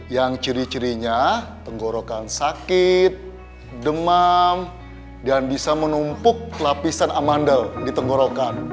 yang ciri cirinya tenggorokan sakit demam dan bisa menumpuk lapisan amandel di tenggorokan